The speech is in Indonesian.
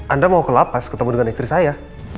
anda mau ke lapas ketemu dengan istri saya